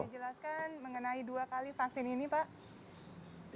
bagaimana menjelaskan mengenai dua kali vaksin ini pak